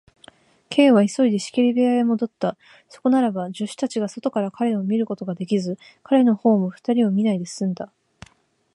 Ｋ は急いで仕切り部屋へもどった。そこならば、助手たちが外から彼を見ることができず、彼のほうも二人を見ないですんだ。